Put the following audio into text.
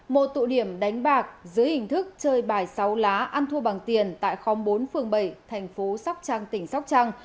một tụ điểm đánh bạc dưới hình thức chơi bài sáu lá ăn thua bằng tiền tại khóm bốn phương bảy tp sóc trăng tỉnh sóc trăng